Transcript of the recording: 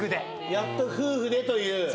やっと夫婦でという。